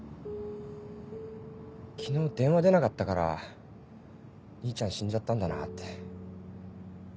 昨日電話出なかったから兄ちゃん死んじゃったんだなって。